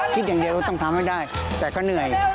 ใช้ต้องทำให้ได้แต่ก็เหนื่อย